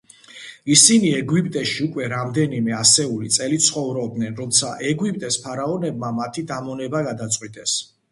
ისინი ეგვიპტეში უკვე რამდენიმე ასეული წელი ცხოვრობდნენ, როცა ეგვიპტეს ფარაონებმა მათი დამონება გადაწყვიტეს.